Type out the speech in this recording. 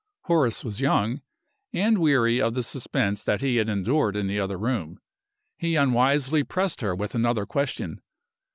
Horace was young, and weary of the suspense that he had endured in the other room. He unwisely pressed her with another question.